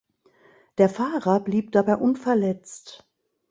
Der Fahrer blieb dabei unverletzt.